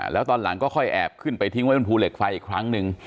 แล้วตอนหลังก็ค่อยแอบขึ้นไปทิ้งไว้บนภูเหล็กไฟอีกครั้งหนึ่ง